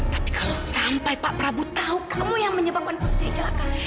tapi kalau sampai pak prabu tahu kamu yang menyebabkan putri celaka